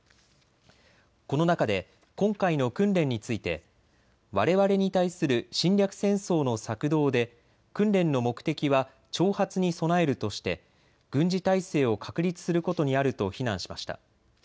この中で今回の訓練についてわれわれに対する侵略戦争の策動で訓練の目的は挑発に備えるとして軍事態勢を確立することにあると非難しました。